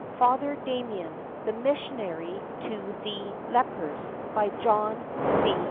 FATHER DAMIEN, THE MISSIONARY TO THE LEPERS BY JOHN C.